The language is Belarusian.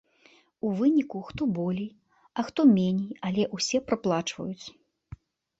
У выніку хто болей, а хто меней, але ўсе праплачваюць.